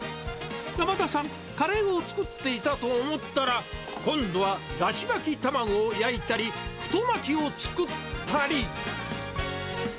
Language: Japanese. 山田さん、カレーを作っていたと思ったら、今度はだし巻き卵を焼いたり、太巻きを作ったり。